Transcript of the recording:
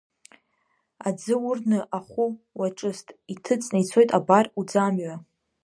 Аӡы урны ахәы уаҿыст, иҭыҵны ицоит, абар, уӡамҩа.